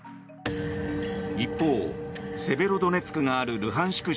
一方、セベロドネツクがあるルハンシク